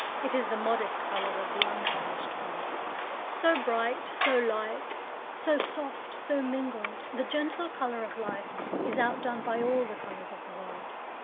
It is the modest colour of the unpublished blood. So bright, so light, so soft, so mingled, the gentle colour of life is outdone by all the colours of the world.